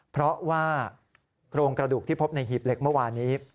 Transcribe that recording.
เพราะว่าโครงกระดูกที่พบในหีบเหล็กเมื่อวานี้